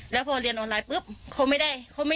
แล้วพอเรียนออนไลน์ปุ๊บเขาไม่ได้